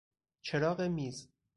چراغ میز